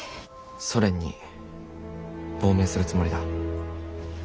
ソ連に亡命するつもりだ。